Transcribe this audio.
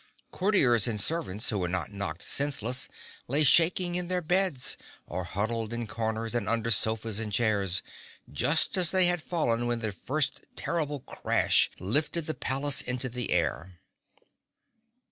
Courtiers and servants who were not knocked senseless lay shaking in their beds or huddled in corners and under sofas and chairs, just as they had fallen when the first terrible crash lifted the palace into the air.